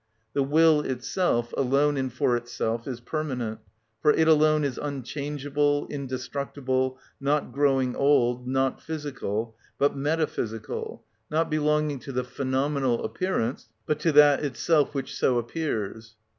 The will itself, alone and for itself, is permanent, for it alone is unchangeable, indestructible, not growing old, not physical, but metaphysical, not belonging to the phenomenal appearance, but to that itself which so appears.